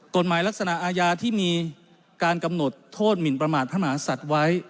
ลักษณะอาญาที่มีการกำหนดโทษหมินประมาทพระมหาศัตริย์ไว้